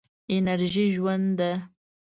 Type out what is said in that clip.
انرژي ژوند ده.